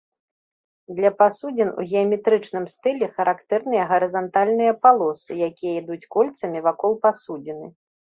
Для пасудзін у геаметрычным стылі характэрныя гарызантальныя палосы, якія ідуць кольцамі вакол пасудзіны.